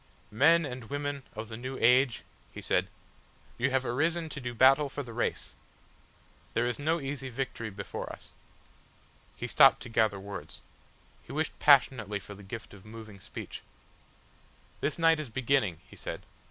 "Men and women of the new age," he said; "you have arisen to do battle for the race!... There is no easy victory before us." He stopped to gather words. He wished passionately for the gift of moving speech. "This night is a beginning," he said.